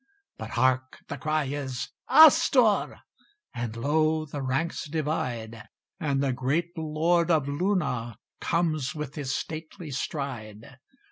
But hark! the cry is "Astur!" And lo! the ranks divide; And the great Lord of Luna Comes with his stately stride.